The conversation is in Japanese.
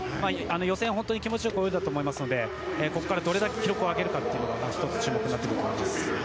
予選、本当に気持ち良く泳いだと思いますのでここからどれだけ記録を上げるかが重要になってきます。